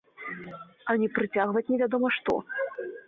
А не прыцягваць невядома што!